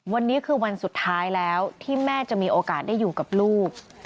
วันนี้คือวันสุดท้ายแล้วที่แม่จะมีโอกาสได้อยู่กับลูก